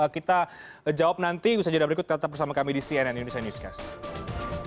kita jawab nanti usaha jadwal berikut tetap bersama kami di cnn indonesia newscast